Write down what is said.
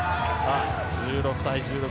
１６対１６。